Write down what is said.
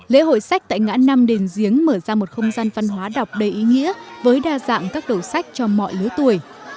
lễ hội sách tại ngã năm đền giếng mở ra một không gian văn hóa đọc đầy ý nghĩa với đa dạng các đồ sách cho mọi lứa tuổi